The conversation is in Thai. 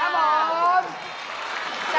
ขอบคุณครับ